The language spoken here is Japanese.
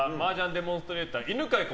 デモンストレーター犬飼君